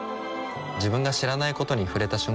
自分が知らないことに触れた瞬間